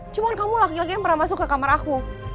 cuma kamu laki laki yang pernah masuk ke kamar aku